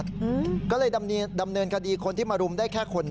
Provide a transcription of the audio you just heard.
คือตำรวจบอกว่าภาพมาไม่ชัด